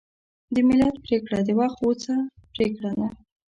د ملت پرېکړه د وخت غوڅه پرېکړه ده.